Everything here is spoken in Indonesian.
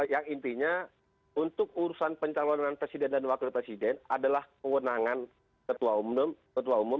yang intinya untuk urusan pencalonan presiden dan wakil presiden adalah kewenangan ketua umum ketua umum